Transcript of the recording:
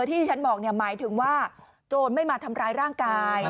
ที่ฉันบอกหมายถึงว่าโจรไม่มาทำร้ายร่างกาย